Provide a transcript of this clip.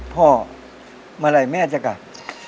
พ่อมาไหลแม่จะกลับ